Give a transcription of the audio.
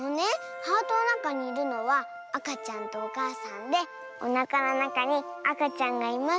ハートのなかにいるのはあかちゃんとおかあさんでおなかのなかにあかちゃんがいます